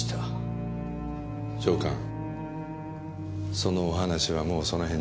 そのお話はもうその辺で。